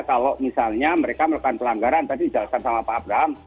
kalau misalnya mereka melakukan pelanggaran tadi dijelaskan sama pak abraham